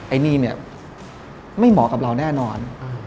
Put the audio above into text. ไอ้นี่เนี่ยไม่เหมาะกับเราแน่นอน